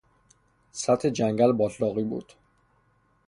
سطح جنگل باتلاقی بود.